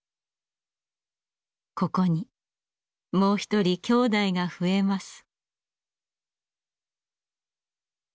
ここにもう一人きょうだいが増えます。